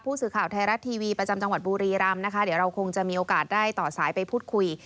สื่อข่าวไทยรัฐทีวีประจำจังหวัดบุรีรำนะคะเดี๋ยวเราคงจะมีโอกาสได้ต่อสายไปพูดคุย